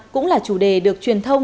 cũng là chủ đề được truyền thông